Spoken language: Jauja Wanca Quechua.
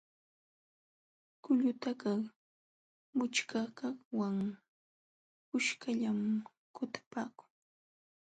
Qullutakaq mućhkakaqwan kuskallam kutapaakun.